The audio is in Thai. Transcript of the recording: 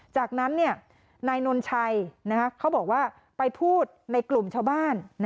จากนั้นนายนนชัยเขาบอกว่าไปพูดในกลุ่มชาวบ้าน